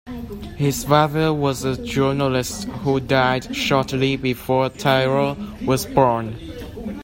His father was a journalist who died shortly before Tyrrell was born.